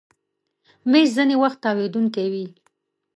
مېز ځینې وخت تاوېدونکی وي.